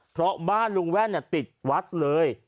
เพราะบ้านลุงแว่นติดวัดเลย